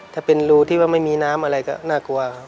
ถ้าเป็นรูที่ว่าไม่มีน้ำอะไรก็น่ากลัวครับ